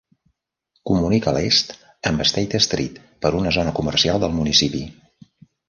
Comunica a l'est amb State Street per una zona comercial del municipi.